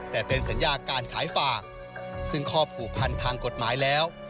แต่เป็นสัญญาการขายฝากซึ่งข้อผูกพันทางกฎหมายแล้ว